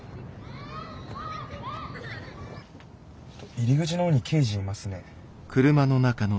入り口の方に刑事いますね。